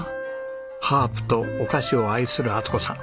ハープとお菓子を愛する充子さん。